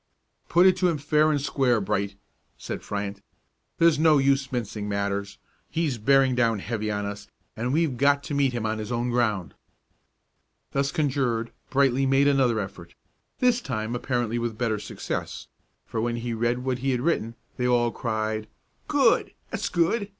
"Put it to him fair and square, Bright," said Fryant. "There's no use mincing matters; he's bearing down heavy on us, and we've got to meet him on his own ground." Thus conjured, Brightly made another effort, this time apparently with better success; for when he read what he had written, they all cried, "Good! that's good!